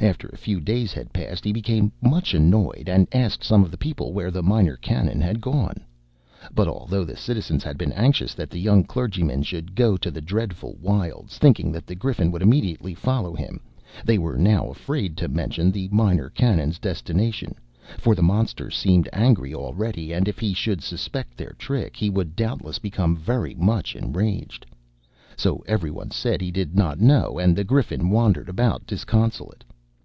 After a few days had passed, he became much annoyed, and asked some of the people where the Minor Canon had gone. But, although the citizens had been anxious that the young clergyman should go to the dreadful wilds, thinking that the Griffin would immediately follow him, they were now afraid to mention the Minor Canon's destination, for the monster seemed angry already, and, if he should suspect their trick, he would doubtless become very much enraged. So every one said he did not know, and the Griffin wandered about disconsolate.